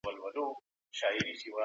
اکاډيمۍ له خوا چاپ سوي دي.